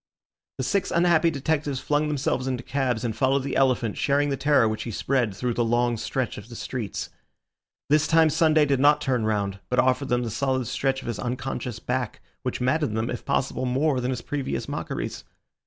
The six unhappy detectives flung themselves into cabs and followed the elephant sharing the terror which he spread through the long stretch of the streets. This time Sunday did not turn round, but offered them the solid stretch of his unconscious back, which maddened them, if possible, more than his previous mockeries.